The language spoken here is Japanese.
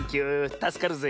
たすかるぜ。